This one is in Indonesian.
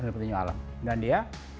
petinju alam dan dia